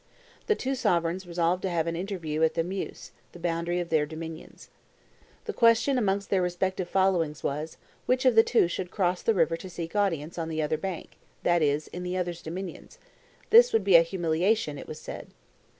The two sovereigns resolved to have an interview at the Meuse, the boundary of their dominions. "The question amongst their respective followings was, which of the two should cross the river to seek audience on the other bank, that is, in the other's dominions; this would be a humiliation, it was said.